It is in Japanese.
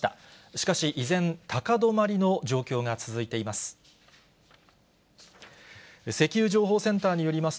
しかし、依然、高止まりの状況が続いています。